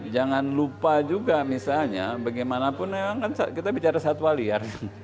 jangan lupa juga misalnya bagaimanapun kita bicara satwa liar